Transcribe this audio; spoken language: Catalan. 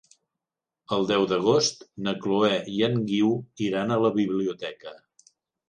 El deu d'agost na Chloé i en Guiu iran a la biblioteca.